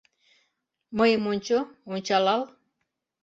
Мыйым ончо, ончалал